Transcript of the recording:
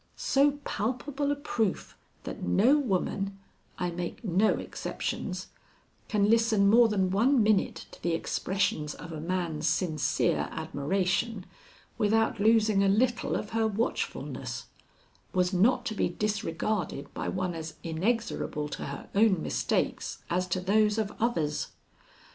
So palpable a proof that no woman I make no exceptions can listen more than one minute to the expressions of a man's sincere admiration without losing a little of her watchfulness, was not to be disregarded by one as inexorable to her own mistakes as to those of others.